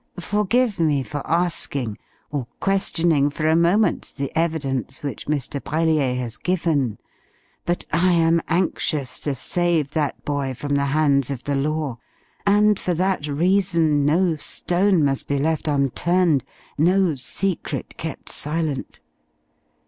Forgive me for asking, or questioning for a moment the evidence which Mr. Brellier has given, but I am anxious to save that boy from the hands of the law, and for that reason no stone must be left unturned, no secret kept silent.